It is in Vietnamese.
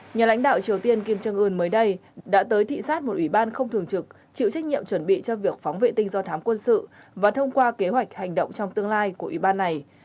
nhà lãnh đạo triều tiên kim jong un mới đây đã tới thị xát một ủy ban không thường trực chịu trách nhiệm chuẩn bị cho việc phóng vệ tinh do thám quân sự và thông qua kế hoạch hành động trong tương lai của ủy ban này